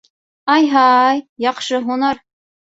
Ай-Һай, яҡшы һунар!